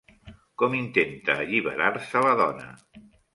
Com intenta alliberar-se la dona?